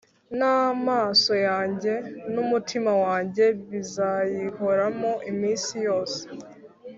n’amaso yanjye n’umutima wanjye bizayihoramo iminsi yose